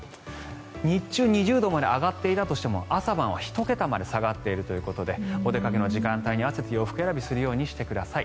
日中、２０度まで上がっていたとしても朝晩は１桁まで下がっているということでお出かけの時間帯に合わせて洋服選びをするようにしてください。